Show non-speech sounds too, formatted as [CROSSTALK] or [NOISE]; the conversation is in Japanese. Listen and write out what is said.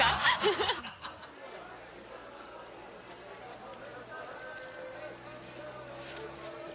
ハハハ [LAUGHS]